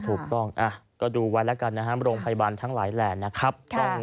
ถูกต้องก็ดูไว้แล้วกันนะครับโรงพยาบาลทั้งหลายแหล่นะครับ